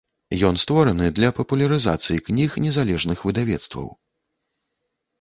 Ён створаны для папулярызацыі кніг незалежных выдавецтваў.